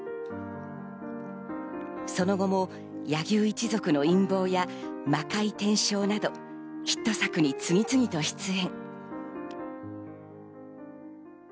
その後も『柳生一族の陰謀』や『魔界転生』などヒット作に次々と出演。